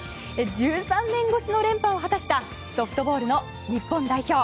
１３年越しの連覇を果たしたソフトボールの日本代表。